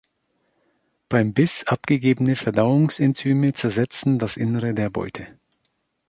Beim Biss abgegebene Verdauungsenzyme zersetzen das Innere der Beute.